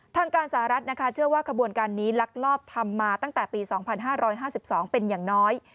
ทางการสหรัฐนะคะเชื่อว่าขบวนการนี้ลักลอบทำมาตั้งแต่ปี๒๕๕๒เป็นอย่างน้อย